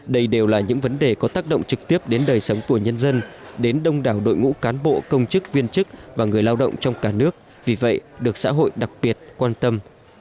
đây đều là những vấn đề có tác động trực tiếp đến đời sống của nhân dân đến đông đảo đội ngũ cán bộ công chức viên chức và người lao động trong cả nước vì vậy được xã hội đặc biệt quan tâm